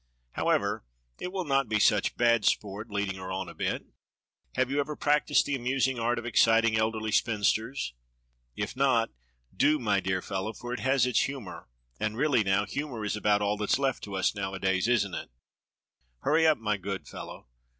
However, it will not be such bad sport leading her on a bit. Have you ever practised the amusing art of exciting elderly spinsters? If not, do, my dear fellow, for it has its humour, and, really now, humour is about all that is left to us nowadays, isn't it? Hurry up, my good fellow